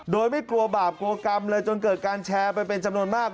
โดยไม่กลัวบาปกลัวกรรมเลยจนเกิดการแชร์ไปเป็นจำนวนมาก